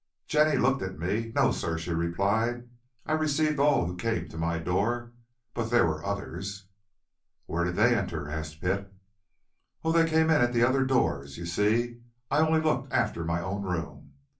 Jenny looked at me. "No, sir," she replied; "I received all who came to my door, but there were others!" "Where did they enter?" asked Pitt. "Oh, they came in at the other doors. You see, I only looked after my own room.